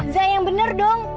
zat yang bener dong